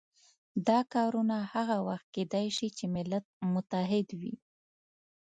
دا کارونه هغه وخت کېدای شي چې ملت متحد وي.